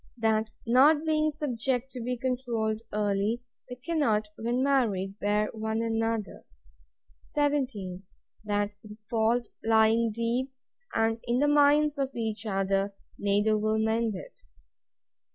That, not being subject to be controlled early, they cannot, when married, bear one another. 17. That the fault lying deep, and in the minds of each other, neither will mend it.